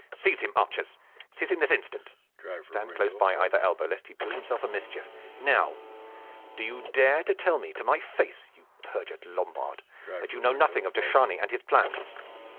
"Seize him, archers! Seize him this instant! Stand close by either elbow, lest he do himself a mischief! Now do you dare to tell me to my face, you perjured Lombard, that you know nothing of de Chargny and his plans?"